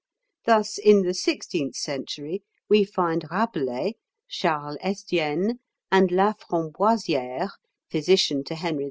Thus in the sixteenth century we find Rabelais, Charles Estienne, and La Framboisière, physician to Henry IV.